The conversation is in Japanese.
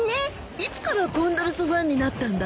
いつからコンドルスファンになったんだ？